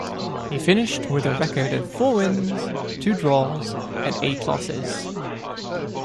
He finished with a record of four wins, two draws, and eight losses.